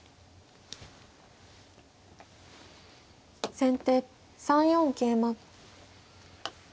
先手３四桂馬。